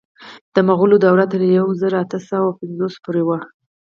د مغولو دوره تر یو زر اته سوه اوه پنځوس پورې وه.